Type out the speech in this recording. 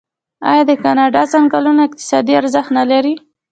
آیا د کاناډا ځنګلونه اقتصادي ارزښت نلري؟